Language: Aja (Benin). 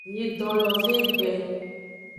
Nyidon lo ve egbe.